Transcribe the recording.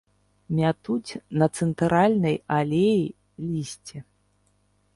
Мятуць на цэнтральнай алеі лісце.